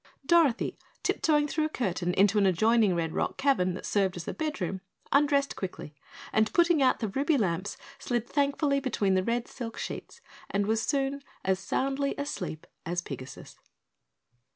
Dorothy, tiptoeing through a curtain into an adjoining red rock cavern that served as a bedroom, undressed quickly and putting out the ruby lamps, slid thankfully between the red silk sheets and was soon as soundly asleep as Pigasus.